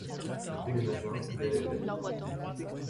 tous les matins il allait à l'école.